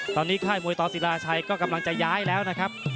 ตอนนี้ค่ายมวยต่อศิลาชัยก็กำลังจะย้ายแล้วนะครับ